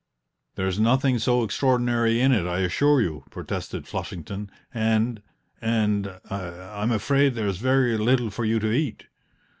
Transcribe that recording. "There's nothing so extraordinary in it, I assure you," protested Flushington, "and and I'm afraid there's very little for you to eat.